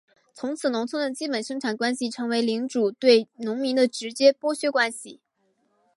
从此农村的基本生产关系成为领主对农民的直接剥削关系。